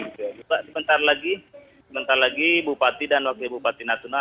coba sebentar lagi sebentar lagi bupati dan wakil bupati natuna